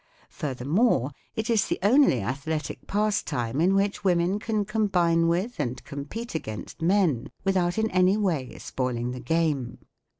Furthermore, it is the only athletic pastime in which women can combine with and compete against men without in any way spoiling the game.